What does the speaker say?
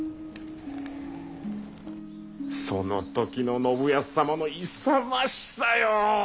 その時の信康様の勇ましさよ！